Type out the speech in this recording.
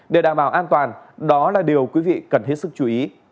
để đảm bảo an toàn đó là điều quý vị cần hết sức chú ý